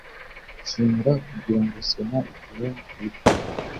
nshinga kugira ngo sena iterane ku buryo